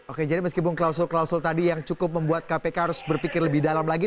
oke jadi meskipun klausul klausul tadi yang cukup membuat kpk harus berpikir lebih dalam lagi